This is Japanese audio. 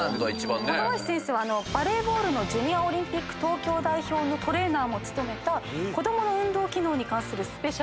高林先生はバレーボールのジュニアオリンピック東京代表のトレーナーも務めた子どもの運動機能に関するスペシャリスト。